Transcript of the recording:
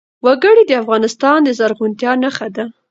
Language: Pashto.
وګړي د افغانستان د زرغونتیا نښه ده.